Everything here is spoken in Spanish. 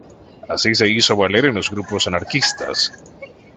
Así se hizo valer en los grupos anarquistas.